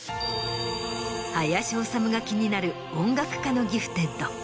林修が気になる音楽家のギフテッド。